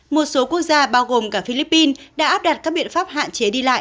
một số quốc gia bao gồm cả philippines đã áp đặt các biện pháp hạn chế đi lại